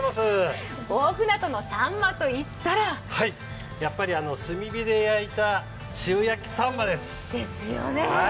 大船渡のさんまといったら炭火で焼いた塩焼きさんまです。ですよね。